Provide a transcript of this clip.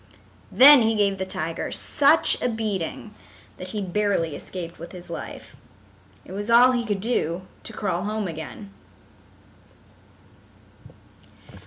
Then he gave the tiger such a beating that he barely escaped with his life. It was all he could do to crawl home again.